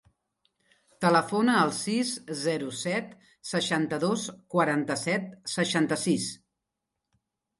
Telefona al sis, zero, set, seixanta-dos, quaranta-set, seixanta-sis.